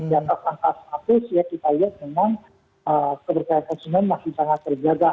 ya indeks konsumen kita lihat memang keberkayaan konsumen masih sangat terjaga